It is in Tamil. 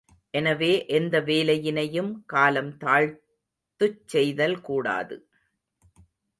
எனவே எந்த வேலையினையும் காலம் தாழ்த்துச் செய்தல் கூடாது.